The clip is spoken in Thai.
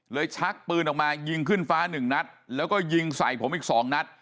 ชักปืนออกมายิงขึ้นฟ้าหนึ่งนัดแล้วก็ยิงใส่ผมอีก๒นัด